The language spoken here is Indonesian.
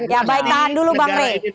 ya baik tahan dulu bang rey